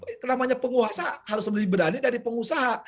itu namanya penguasa harus lebih berani dari pengusaha